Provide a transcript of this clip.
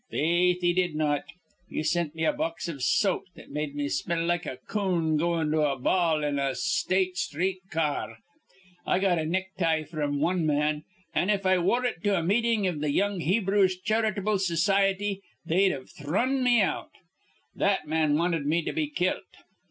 Faith, he did not. He sint me a box iv soap that made me smell like a coon goin' to a ball in a State Sthreet ca ar. I got a necktie fr'm wan man; an', if I wore it to a meetin' iv th' Young Hebrews' Char'table Society, they'd've thrun me out. That man wanted me to be kilt.